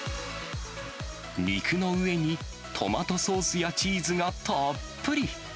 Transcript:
肉の上にトマトソースやチーズがたっぷり。